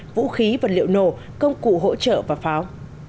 vũ khí vật liệu nổ công cụ hỗ trợ và pháo